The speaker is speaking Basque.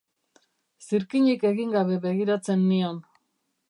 Zirkinik egin gabe begiratzen nion.